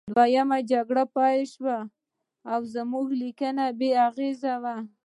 دویمه جګړه پیل شوه او زموږ لیکنې بې اغیزې وې